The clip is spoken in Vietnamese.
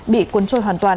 bị cuốn trôi hoàn toàn